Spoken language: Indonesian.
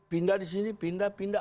pindah disini pindah pindah